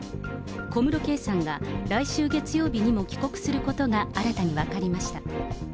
小室圭さんが来週月曜日にも帰国することが、新たに分かりました。